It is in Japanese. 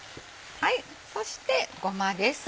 そしてごまです。